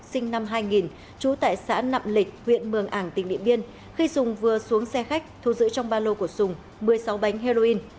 sinh năm hai nghìn trú tại xã nậm lịch huyện mường ảng tỉnh điện biên khi dùng vừa xuống xe khách thu giữ trong ba lô của sùng một mươi sáu bánh heroin